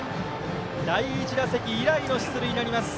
第１打席以来の出塁になります。